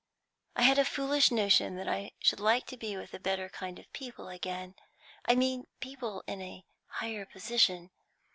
I had a foolish notion that I should like to be with a better kind of people again I mean people in a higher position.